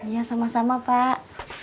ya sama sama pak